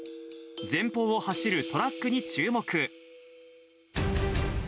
前方を走るトラックに注目。